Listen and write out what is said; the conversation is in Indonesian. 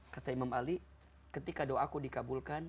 kata imam ali ketika doaku dikabulkan